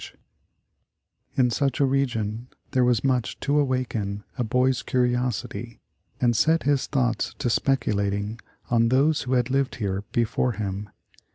The Original John Jacob Astor In such a region there was much to awaken a hoy'^ curiosity, and set his thoughts to speculating on those who had lived here before him.